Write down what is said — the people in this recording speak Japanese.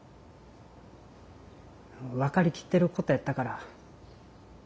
分かりきってることやったから。